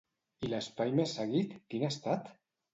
I l'espai més seguit quin ha estat?